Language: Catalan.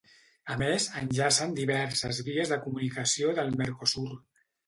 A més, enllacen diverses vies de comunicació del Mercosur.